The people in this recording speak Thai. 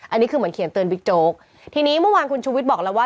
อันนี้คือเหมือนเขียนเตือนบิ๊กโจ๊กทีนี้เมื่อวานคุณชูวิทย์บอกแล้วว่า